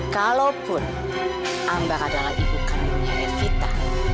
kalaupun ambar adalah ibukannya evita